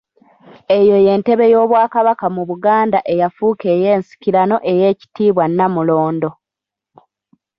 Eyo ye ntebe y'Obwakabaka mu Buganda eyafuuka ey'ensikirano eyitibwa Nnamulondo.